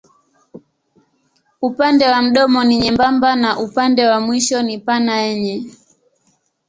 Upande wa mdomo ni nyembamba na upande wa mwisho ni pana yenye.